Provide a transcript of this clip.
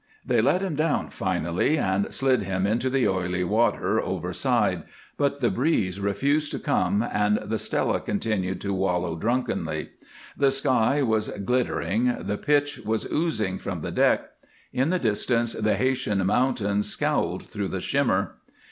They let him down finally and slid him into the oily waters, overside, but the breeze refused to come and the Stella continued to wallow drunkenly. The sky was glittering, the pitch was oozing from the deck, in the distance the Haytian mountains scowled through the shimmer.